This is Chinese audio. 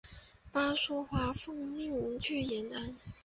巴苏华奉命去延安。